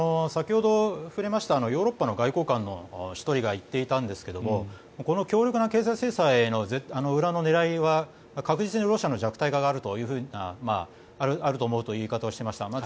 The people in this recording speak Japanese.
先ほど触れましたヨーロッパの外交官の１人が言っていたんですがこの強力な経済制裁の裏の狙いは確実にロシアの弱体化があると思うという言い方をしていました。